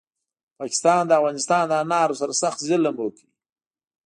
پاکستاد د افغانستان دانارو سره سخت ظلم وکړو